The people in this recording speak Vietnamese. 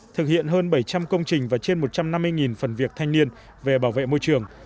thực hiện hơn bảy trăm linh công trình và trên một trăm năm mươi phần việc thanh niên về bảo vệ môi trường